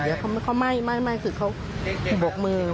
เดี๋ยวเขาไหม้คือเขาบกมือ